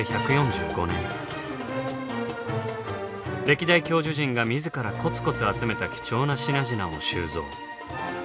歴代教授陣が自らコツコツ集めた貴重な品々を収蔵。